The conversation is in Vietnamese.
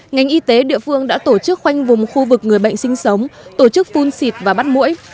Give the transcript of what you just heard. ngành y tế địa phương đã tổ chức khoanh vùng khu vực người bệnh sinh sống tổ chức phun xịt và bắt mũi